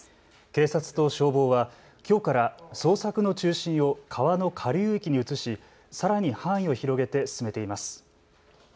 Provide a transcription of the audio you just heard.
警察と消防はきょうから捜索の中心を川の下流域に移しさらに範囲を広げて進めています。